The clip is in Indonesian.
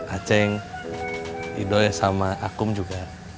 acing ido ya sama akum juga